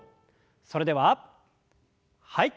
それでははい。